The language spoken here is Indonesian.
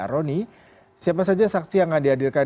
roni siapa saja saksi yang akan dihadirkan